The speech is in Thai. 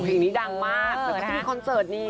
โอ้โหเพลงนี้ดังมากมันก็จะมีคอนเสิร์ตนี่